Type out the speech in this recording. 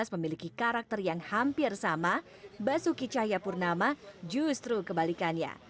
memiliki karakter yang hampir sama basuki cahayapurnama justru kebalikannya